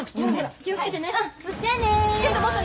気を付けてね。